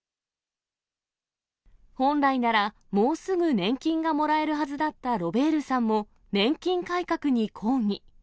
本来ならもうすぐ年金がもらえるはずだったロベールさんも、年金改革に抗議。